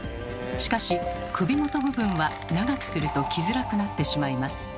しかし首元部分は長くすると着づらくなってしまいます。